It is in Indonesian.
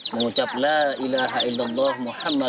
mengucap la ilaha illallah muhammad